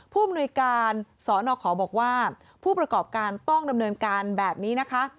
ผู้อำนวยการสนขอบอกว่าผู้ประกอบการต้องดำเนินการแบบนี้นะคะ